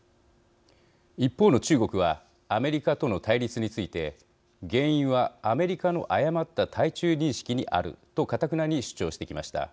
一方の中国はアメリカとの対立について原因はアメリカの誤った対中認識にあるとかたくなに主張してきました。